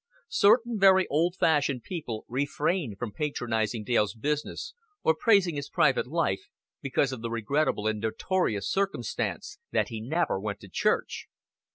Certain very old fashioned people refrained from patronizing Dale's business or praising his private life, because of the regrettable and notorious circumstance that he never went to church.